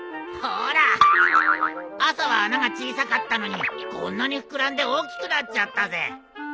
ほら朝は穴が小さかったのにこんなに膨らんで大きくなっちゃったぜ。